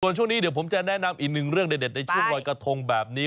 ช่วงนี้เดี๋ยวผมจะแนะนำอีกหนึ่งเรื่องเด็ดในช่วงรอยกระทงแบบนี้